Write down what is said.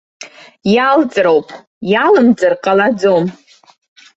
Иалҵроуп, иалымҵыр ҟалаӡом.